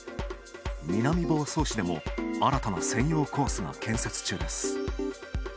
南房総市でも新たな専用コースが建設中です。